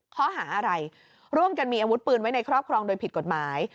ข้อหาอะไรร่วมกันมีอาวุธปืนไว้ในครอบครองโดยผิดกฎหมาย